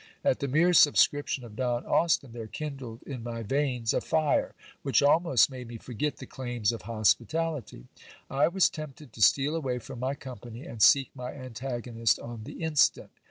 At the mere subscription of Don Austin, there kindled in my veins a fire, which almost made me forget the ckims of hospitality. I was tempted to steal away from my company, and seek my antagonist on the instant.